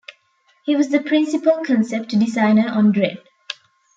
He was the principal Concept Designer on Dredd.